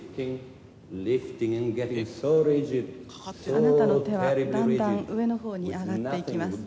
「あなたの手はだんだん上の方に上がっていきます」